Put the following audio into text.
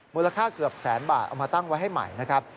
มูลค่าเกือบแสนบาทเอามาตั้งไว้ให้ใหม่นะครับ